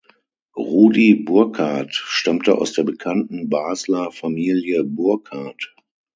Rudy Burckhardt stammte aus der bekannten Basler Familie Burckhardt.